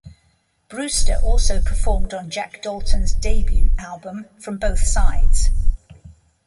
Brewster also performed on Jac Dalton's debut album "From Both Sides".